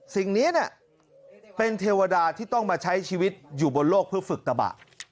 สิ่งนี้เป็นเทวดาที่ต้องมาใช้ชีวิตอยู่บนโลกเพื่อฝึกตะบะ